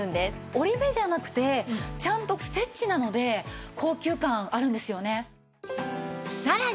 折り目じゃなくてちゃんとステッチなので高級感あるんですよね。